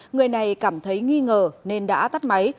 người này cảm thấy nghi ngờ nên đã tắt máy